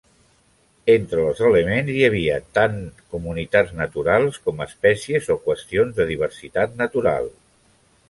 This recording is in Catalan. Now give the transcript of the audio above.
Entre les elements hi havia tant comunitats naturals com espècies o qüestions de diversitat natural.